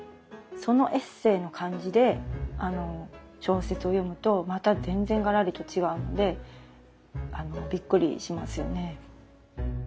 そのエッセーの感じで小説を読むとまた全然がらりと違うのでびっくりしますよね。